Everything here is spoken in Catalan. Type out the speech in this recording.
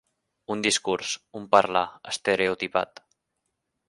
Un discurs, un parlar, estereotipat.